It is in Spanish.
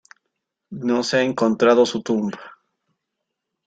No se ha encontrado su tumba.